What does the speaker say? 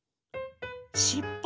しっぽ？